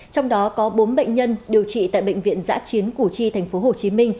trong đó có bốn bệnh nhân điều trị tại bệnh viện giã chiến củ chi tp hcm